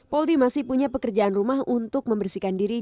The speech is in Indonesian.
polri masih punya pekerjaan rumah untuk membersihkan diri